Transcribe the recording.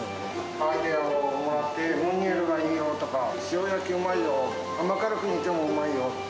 アイデアをもらって、ムニエルがいいよとか、塩焼きうまいよ。甘辛く煮てもうまいよって。